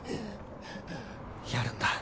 やるんだ。